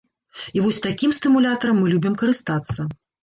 І вось такім стымулятарам мы любім карыстацца!